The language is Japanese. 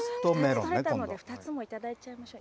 とれたので、２つもいただいちゃいましょう。